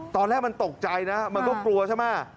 ตอนแรกมันตกใจนะมันก็กลัวใช่ไหม